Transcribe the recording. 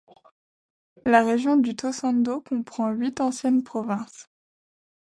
La région du Tōsandō comprend huit anciennes provinces.